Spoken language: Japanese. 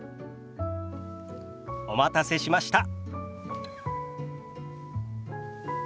お待たせしました。